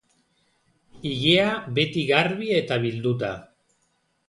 Ilea beti garbi eta bilduta.